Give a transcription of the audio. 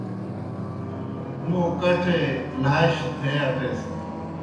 موں کڇے لھاشیْ تھے اٹیسِن۔